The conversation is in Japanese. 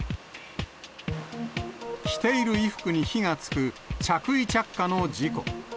着ている衣服に火がつく着衣着火の事故。